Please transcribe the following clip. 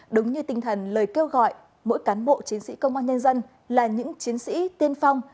đúng như tinh thần lời kêu gọi mỗi cán bộ chiến sĩ công an nhân dân là những chiến sĩ tiên phong